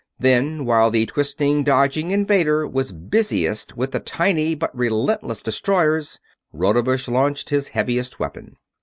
Then while the twisting, dodging invader was busiest with the tiny but relentless destroyers, Rodebush launched his heaviest weapon.